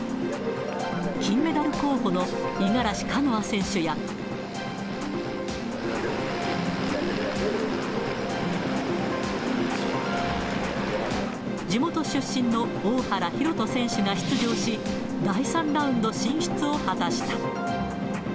金メダル候補の五十嵐カノア選手や、地元出身の大原洋人選手が出場し、第３ラウンド進出を果たした。